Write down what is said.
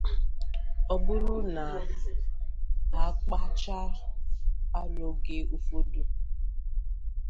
Ọ bụrụ na a kpụchaa arụ oge ụfọdụ